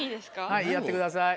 はいやってください。